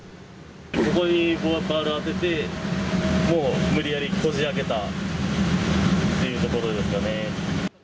ここにバールを当てて、もう無理やりこじあけたっていうところですかね。